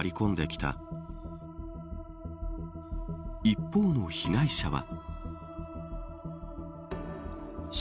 一方の被害者は。